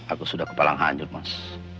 aku sudah kepala ngajur mas